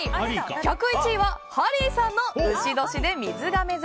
１０１位はハリーさんの丑年でみずがめ座。